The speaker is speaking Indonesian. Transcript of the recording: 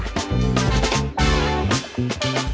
tapi tidak terlalu terasa